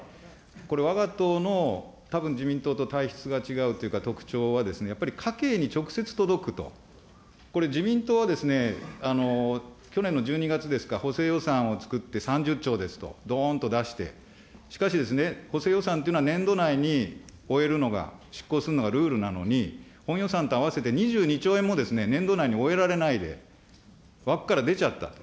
これ、わが党の、たぶん、自民党と体質が違うというか、特徴は、やっぱり家計に直接届くと、これ、自民党はですね、去年の１２月ですか、補正予算をつくって３０兆ですと、どーんと出して、しかし、補正予算っていうのは年度内に終えるのが、執行するのがルールなのに、本予算と合わせて２２兆円も年度内に終えられないで、枠から出ちゃった。